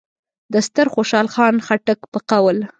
د ستر خوشحال خان خټک په قول: